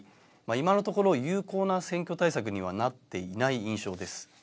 今のところ有効な選挙対策にはなっていない印象です。